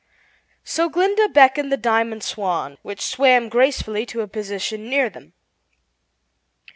So Glinda beckoned the Diamond Swan, which swam gracefully to a position near them.